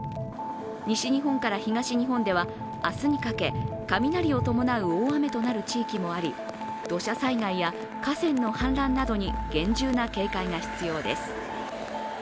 西日本から東日本では明日にかけ雷を伴う大雨となる地域もあり、土砂災害や河川の氾濫などに厳重な警戒が必要です。